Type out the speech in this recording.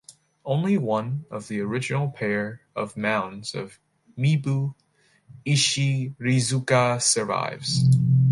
Only one of the original pair of mounds of Mibu Ichirizuka survives.